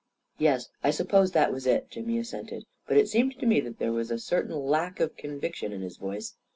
44 Yes, I suppose that was it," Jimmy assented, but it seemed to me that there was a certain lack of con viction in his voice.